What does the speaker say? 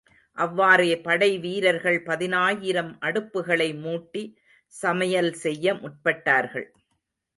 அவ்வாறே படைவீரர்கள் பதினாயிரம் அடுப்புகளை மூட்டி, சமையல் செய்ய முற்பட்டார்கள்.